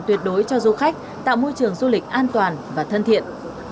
tuyệt đối cho du khách tạo môi trường du lịch an toàn và thân thiện